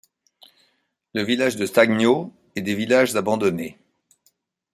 Le village de Stagno et des villages abandonnés.